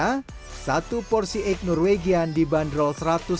hai satu pock egg yang terbaik di indonesia ini adalah pock egg yang terbaik di indonesia ini adalah